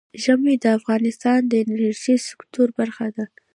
ژمی د افغانستان د انرژۍ سکتور برخه ده.